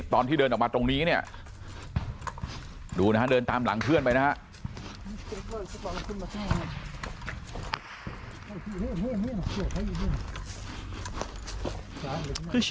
ตอนที่เดินออกมาตรงนี้เนี่ยดูนะฮะเดินตามหลังเพื่อนไปนะฮะ